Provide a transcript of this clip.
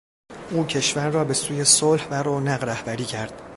او کشور را به سوی صلح و رونق رهبری کرد.